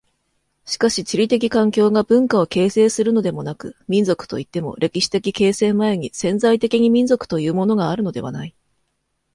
しかし地理的環境が文化を形成するのでもなく、民族といっても歴史的形成前に潜在的に民族というものがあるのではない。